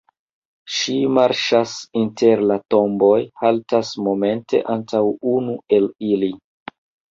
Ŝi marŝas inter la tomboj, haltas momente antaŭ unu el ili.